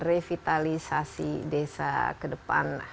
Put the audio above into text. revitalisasi desa ke depan